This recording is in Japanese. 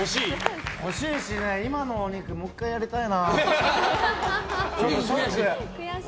欲しいし、今のお肉もう１回やりたいな。